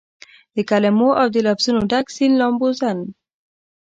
دکلمو اودلفظونو دډک سیند لامبوزن